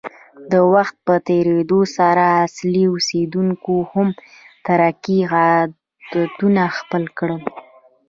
د وخت په تېرېدو سره اصلي اوسیدونکو هم ترکي عادتونه خپل کړل.